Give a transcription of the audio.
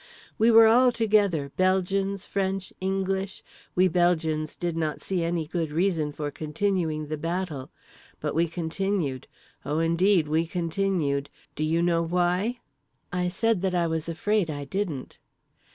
"We were all together: Belgians, French, English … we Belgians did not see any good reason for continuing the battle. But we continued. O indeed we continued. Do you know why?" I said that I was afraid I didn't.